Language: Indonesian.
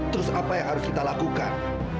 terus apa yang harus kita lakukan